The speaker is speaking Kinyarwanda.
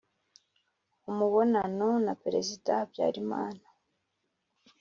umubonano na perezida habyarimana.